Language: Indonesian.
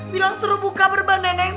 bilang suruh buka berban nenek